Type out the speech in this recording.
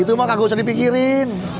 itu mah gak usah dipikirin